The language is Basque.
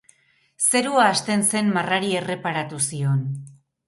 Zerua hasten zen marrari erreparatu zion.